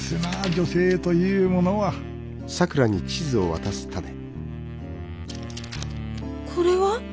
女性というものはこれは？